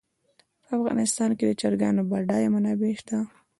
په افغانستان کې د چرګانو بډایه منابع شته.